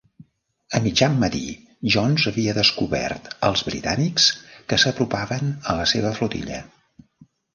A mitjan matí, Jones havia descobert els britànics que s'apropaven a la seva flotilla.